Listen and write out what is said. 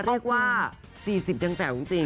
เรียกว่า๔๐ยังแจ๋วจริง